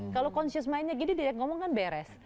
kalau conscious mindnya gini dia yang ngomong kan beres